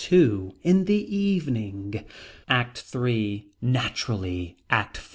In the evening. ACT III. Naturally. ACT IV.